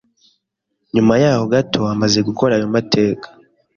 nyuma yaho gato amaze gukora ayo mateka